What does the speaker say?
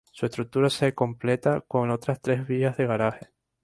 Su estructura se completa con otras tres vías de garaje.